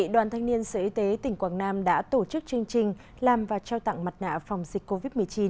đoàn thanh niên sở y tế tỉnh quảng nam đã tổ chức chương trình làm và trao tặng mặt nạ phòng dịch covid một mươi chín